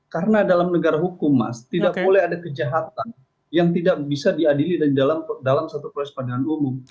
karena dalam negara hukum tidak boleh ada kejahatan yang tidak bisa diadili dalam satu proses peradilan umum